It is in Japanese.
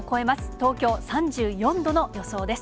東京３４度の予想です。